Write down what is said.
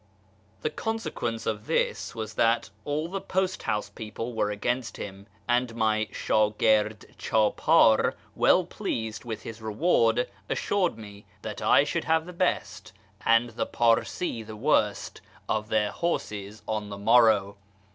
The consequence of this was that all the post house peoj)le were against him, and my shdijird chdpdr, well pleased with his reward, assured me that I should have the best and the Parsee the worst of their horses on the morrow.